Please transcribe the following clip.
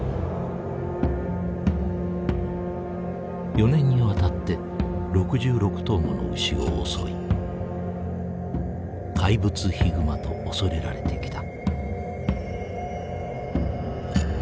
４年にわたって６６頭もの牛を襲い怪物ヒグマと恐れられてきた。